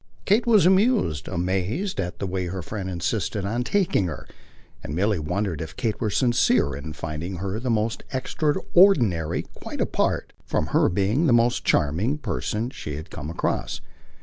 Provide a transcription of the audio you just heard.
Kate was amused, amazed, at the way her friend insisted on "taking" her, and Milly wondered if Kate were sincere in finding her the most extraordinary quite apart from her being the most charming person she had come across.